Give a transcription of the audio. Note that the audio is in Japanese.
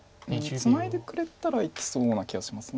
ツナいでくれたら生きそうな気はします。